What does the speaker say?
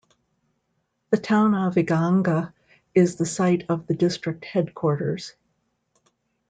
The town of Iganga is the site of the district headquarters.